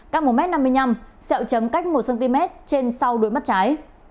cao một m năm mươi năm xẹo chấm cách một cm trên sau đuôi mắt trái